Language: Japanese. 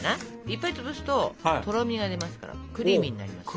いっぱい潰すととろみが出ますからクリーミーになります。